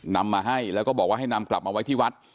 นำมาให้แล้วก็บอกว่าให้นำกลับมาไว้ที่วัด